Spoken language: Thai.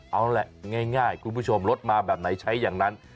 เอาล่ะง่ายคุณผู้ชมรถมาแบบไหนใช้อย่างนั้น